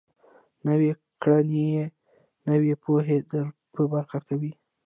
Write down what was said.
نويې کړنې نوې پوهه در په برخه کوي.